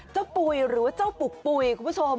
ปุ๋ยหรือว่าเจ้าปุกปุ๋ยคุณผู้ชม